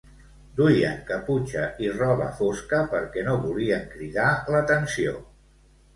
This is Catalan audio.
Duien caputxa i roba fosca perquè no volien cridar l'atenció.